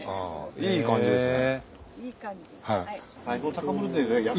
いい感じですね。